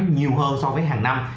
nhiều hơn so với hàng năm